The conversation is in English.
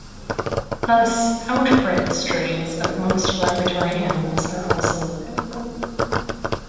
Thus outbred strains of most laboratory animals are also available.